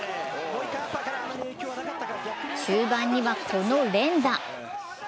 中盤には、この連打。